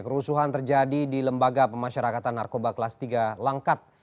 kerusuhan terjadi di lembaga pemasyarakatan narkoba kelas tiga langkat